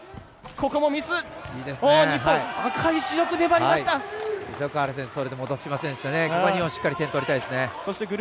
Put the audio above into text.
ここでしっかり点を取りたいですね。